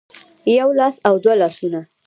يو لاس او دوه لاسونه